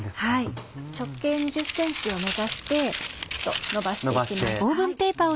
直径２０ｃｍを目指してのばして行きます。